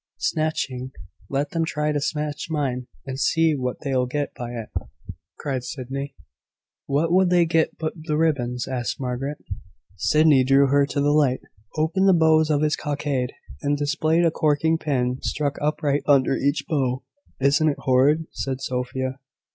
"Snatching! let them try to snatch mine, and see what they'll get by it!" cried Sydney. "What would they get but the ribbons?" asked Margaret. Sydney drew her to the light, opened the bows of his cockade, and displayed a corking pin stuck upright under each bow. "Isn't it horrid?" said Sophia.